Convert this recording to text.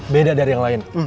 beda dari yang lain